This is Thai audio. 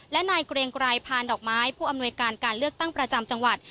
และนายเกรียงไกรพานดอกไม้ผู้อำนวยการการเลือกตั้งประจำจังหวัด